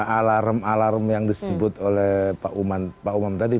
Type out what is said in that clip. alarm alarm yang disebut oleh pak umam tadi